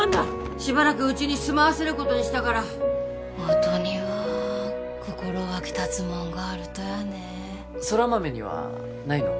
しばらくうちに住まわせることにしたから音には心沸き立つもんがあるとやね空豆にはないの？